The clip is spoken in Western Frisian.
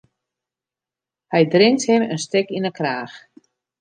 Hy drinkt him in stik yn 'e kraach.